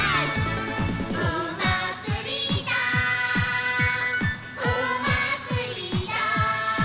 「おまつりだおまつりだ」